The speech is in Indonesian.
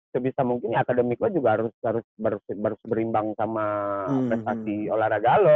sebisa mungkin akademik lo juga harus berimbang sama prestasi olahraga loh